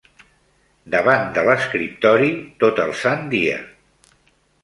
Davant de l'escriptori tot el sant dia